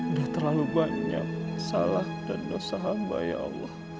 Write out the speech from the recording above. gak terlalu banyak salah dan dosa hamba ya allah